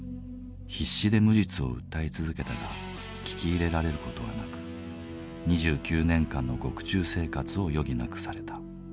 必死で無実を訴え続けたが聞き入れられる事はなく２９年間の獄中生活を余儀なくされた。